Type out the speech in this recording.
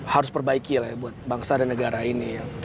harus perbaiki lah ya buat bangsa dan negara ini